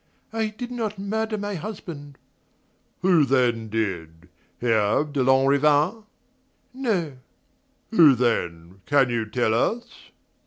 "I did not murder my husband." "Who did, then? Herve de Lanrivain?" "No." "Who then? Can you tell us?"